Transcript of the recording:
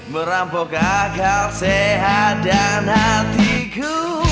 merampok akal sehat dan hatiku